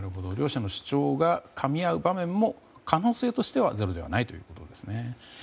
両者の主張がかみ合う場面も可能性としてはゼロではないということですね。